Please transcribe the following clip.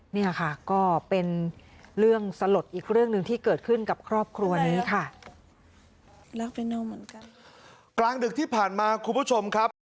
นี่ค่ะก็เป็นเรื่องสลดอีกเรื่องหนึ่งที่เกิดขึ้นกับครอบครัวนี้ค่ะ